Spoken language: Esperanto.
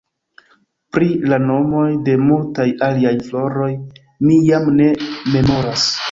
Pri la nomoj de multaj aliaj floroj mi jam ne memoras.